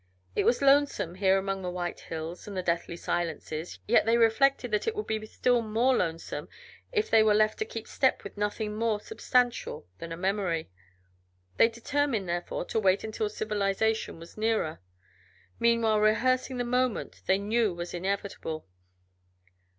It was lonesome, here among the white hills and the deathly silences, yet they reflected that it would be still more lonesome if they were left to keep step with nothing more substantial than a memory. They determined, therefore, to wait until civilization was nearer, meanwhile rehearsing the moment they knew was inevitable.